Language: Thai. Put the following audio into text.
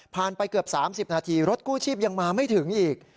ไปเกือบ๓๐นาทีรถกู้ชีพยังมาไม่ถึงอีก